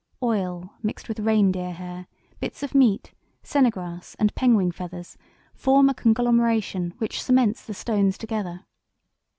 Oil mixed with reindeer hair, bits of meat, sennegrass, and penguin feathers form a conglomeration which cements the stones together.